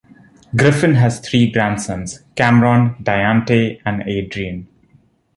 Griffin has three grandsons, Kamron, Diante, and Adrien.